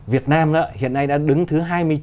việt nam hiện nay đã đứng thứ hai mươi chín